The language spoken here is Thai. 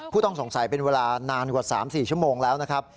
ต้องสงสัยเป็นเวลานานกว่า๓๔ชั่วโมงแล้วนะครับ